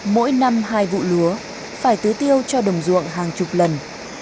mỗi năm hai vụ lúa phải tưới tiêu cho đồng ruộng hàng chục lần